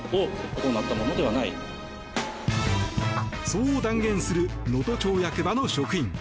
そう断言する能登町役場の職員。